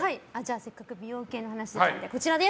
せっかく美容系の話なので。